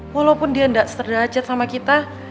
walaupun dia tidak sederajat sama kita